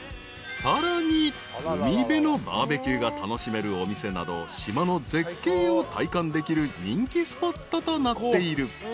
［さらに海辺のバーベキューが楽しめるお店など島の絶景を体感できる人気スポットとなっている］